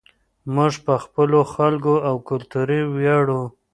موږ په خپلو خلکو او کلتور ویاړو.